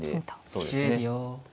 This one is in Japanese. そうですね。